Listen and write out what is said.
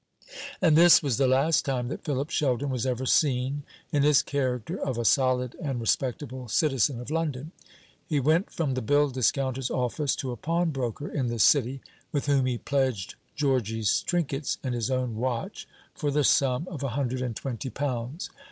And this was the last time that Philip Sheldon was ever seen in his character of a solid and respectable citizen of London. He went from the bill discounter's office to a pawnbroker in the City, with whom he pledged Georgy's trinkets and his own watch for the sum of a hundred and twenty pounds.